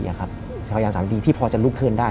พยายามดันสาวิตรีที่พอจะลุกขึ้นได้